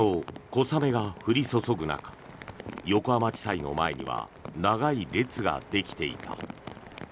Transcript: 昨日、小雨が降り注ぐ中横浜地裁の前には長い列ができていた。